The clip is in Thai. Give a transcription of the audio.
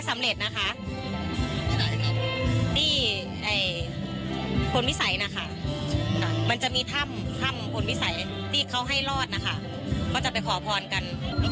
แล้วปีนี้จะพูดเรื่องรัฐนาวะปีมั้ยครับ